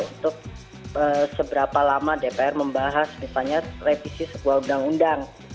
untuk seberapa lama dpr membahas misalnya revisi sebuah undang undang